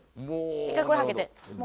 １回これはけて。